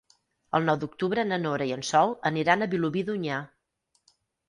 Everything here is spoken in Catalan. El nou d'octubre na Nora i en Sol aniran a Vilobí d'Onyar.